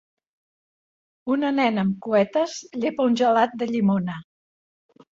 Una nena amb cuetes llepa un gelat de llimona.